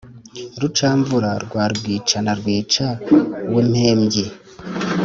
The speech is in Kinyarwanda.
rucamvura rwa rwica na rwica wimpembyi,